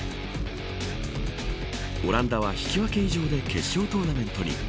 オランダは、引き分け以上で決勝トーナメントに。